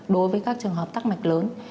đối với các trường hợp tắc mạch lớn